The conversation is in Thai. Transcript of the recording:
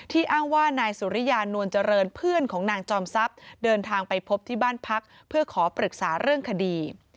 อ้างว่านายสุริยานวลเจริญเพื่อนของนางจอมทรัพย์เดินทางไปพบที่บ้านพักเพื่อขอปรึกษาเรื่องคดี